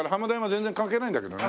全然関係ないんだけどね。